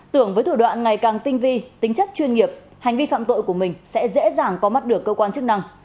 tưởng với thủ đoạn ngày càng tinh vi tính chất chuyên nghiệp hành vi phạm tội của mình sẽ dễ dàng có mắt được cơ quan chức năng